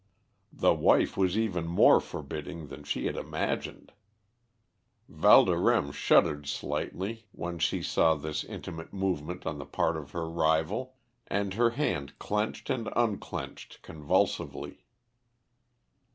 The wife was even more forbidding than she had imagined. Valdorême shuddered slightly when she saw this intimate movement on the part of her rival, and her hand clenched and unclenched convulsively.